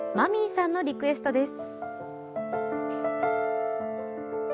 さんのリクエストです。